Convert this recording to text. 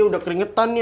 udah keringetan nih